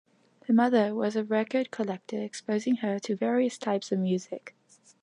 Her mother was a record collector, exposing her to various types of music.